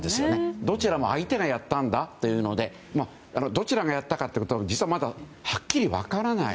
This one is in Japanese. どちらも相手がやったんだということでどちらがやったかということは実はまだはっきり分からない。